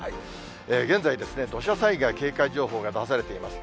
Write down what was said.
現在、土砂災害警戒情報が出されています。